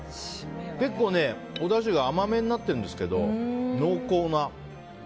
結構、おだしが甘めになってるんですけど濃厚な。